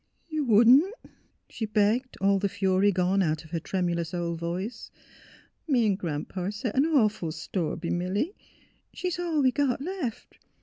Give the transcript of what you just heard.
'' You wouldn 't ?" she begged, all the fury gone out of her tremulous old voice. " Me 'n' Gran 'pa set an awful store b' Milly. She's all we got left.